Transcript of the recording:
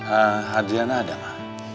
eh adriana ada ma